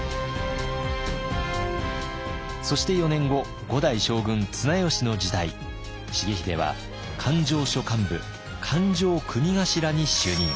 そして４年後五代将軍綱吉の時代重秀は勘定所幹部勘定組頭に就任。